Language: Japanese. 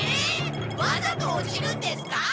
わざと落ちるんですか？